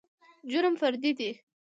جرم فردي دى.